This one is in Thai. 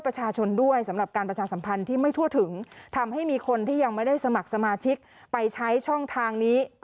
ประชาชนด้วยสำหรับการประชาสัมพันธ์ที่ไม่ทั่วถึงทำให้มีคนที่ยังไม่ได้สมัครสมาชิกไปใช้ช่องทางนี้